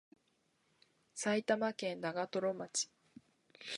埼玉県長瀞町